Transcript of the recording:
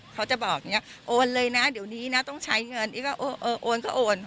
เขาจะบอกอย่างนี้โอนเลยนะเดี๋ยวนี้นะต้องใช้เงินอีกก็โอนก็โอน